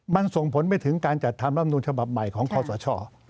มันส่งผลไปถึงการจัดทำรับนูลฉบับใหม่ของคอสช